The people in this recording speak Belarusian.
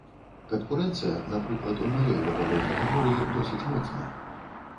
Канкурэнцыя, напрыклад, у маёй вагавой катэгорыі, досыць моцная.